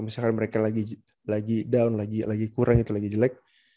misalkan mereka lagi down lagi kurang gitu lagi jelek